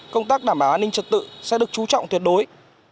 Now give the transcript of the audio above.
công tác đảm bảo an ninh trật tự sẽ được chú trọng tuyệt đối